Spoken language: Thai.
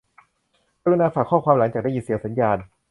กรุณาฝากข้อความหลังจากได้ยินเสียงสัญญาณ